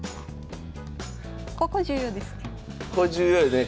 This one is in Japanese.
ここ重要ですね。